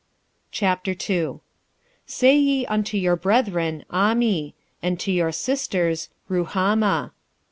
2:1 Say ye unto your brethren, Ammi; and to your sisters, Ruhamah.